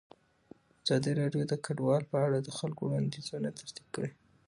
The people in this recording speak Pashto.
ازادي راډیو د کډوال په اړه د خلکو وړاندیزونه ترتیب کړي.